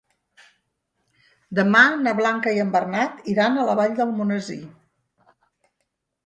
Demà na Blanca i en Bernat iran a la Vall d'Almonesir.